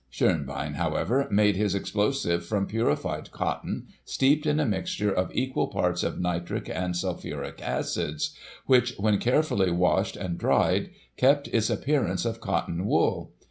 Schonbein, however, made his explosive from purified cotton, steeped in a mixture of equal parts of Digiti ized by Google 300 GOSSIP. [1846 nitric and sulphuric acids, which when carefully washed, and dried, kept its appearance of cotton wool.